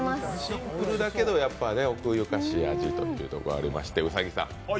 シンプルだけど、奥ゆかしい味とというところがありまして。